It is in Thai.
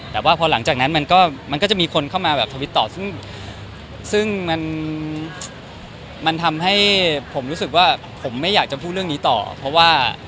แต่ว่าพอหลังจากนั้นมันก็จะมีคนเข้ามาแบบทวิตต่อซึ่งซึ่งมันทำให้ผมรู้สึกว่าผมไม่อยากจะพูดเรื่องนี้ต่อเพราะว่า